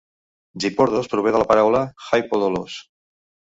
Giporlos prové de la paraula "Hi-Podolos".